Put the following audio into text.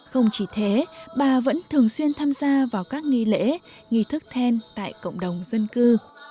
không chỉ thế bà vẫn thường xuyên tham gia vào các nghi lễ nghi thức then tại cộng đồng dân cư